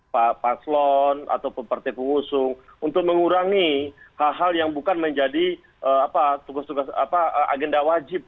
pak slon atau partai pengusung untuk mengurangi hal hal yang bukan menjadi agenda wajib